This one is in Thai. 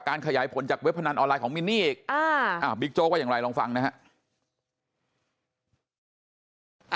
ขยายผลจากเว็บพนันออนไลน์ของมินนี่อีกบิ๊กโจ๊กว่าอย่างไรลองฟังนะครับ